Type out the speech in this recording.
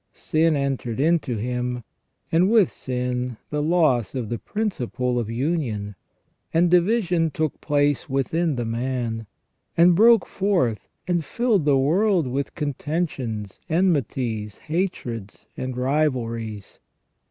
Sin entered into him, and with sin the loss of the prin ciple of union, and division took place within the man, and broke forth, and filled the world with contentions, enmities, hatreds, and rivalries.